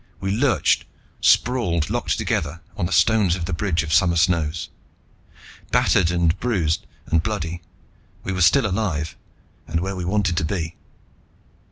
We lurched, sprawled, locked together, on the stones of the Bridge of Summer Snows. Battered, and bruised, and bloody, we were still alive, and where we wanted to be.